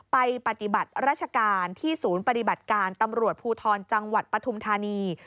ปฏิบัติราชการที่ศูนย์ปฏิบัติการตำรวจภูทรจังหวัดปฐุมธานี